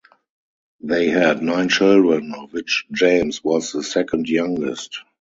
They had nine children of which James was the second youngest.